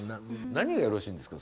何がよろしいんですか？